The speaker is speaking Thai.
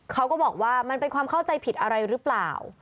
เขาก็บอกว่ามันเป็นความเข้าใจผิดอะไรหรือเปล่า